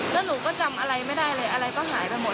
แล้วหนูก็จำอะไรไม่ได้เลยอะไรก็หายไปหมด